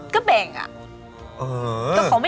ก็เบ่งอะ